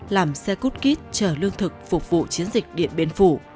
làm xe cút kít trở lương thực phục vụ chiến dịch điện biên phủ